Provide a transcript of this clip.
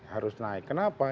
harus naik kenapa